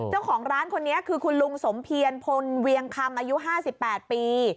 เจ้าของร้านคนนี้คือคุณลุงสมเพียรพลเวียงคำอายุ๕๘ปี